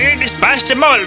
saya sudah mencari semua